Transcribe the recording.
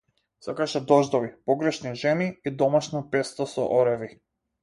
Сакаше дождови, погрешни жени и домашно песто со ореви.